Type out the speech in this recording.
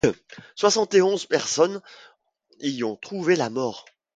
Soixante et onze personnes y ont trouvé la mort.